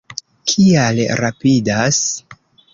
Kial rapidas?